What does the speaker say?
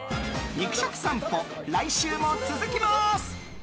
肉食さんぽ、来週も続きます。